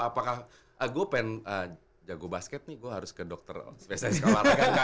apakah gua pengen jago basket nih gua harus ke dokter spesialis ke olahraga